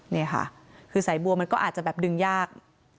นี่ค่ะคือสายบัวมันก็อาจจะแบบดึงยาก